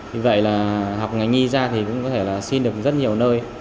vì vậy là học ngành nhi ra thì cũng có thể là xin được rất nhiều nơi